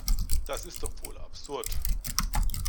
Das ist doch wohl absurd.